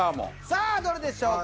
さあどれでしょうか？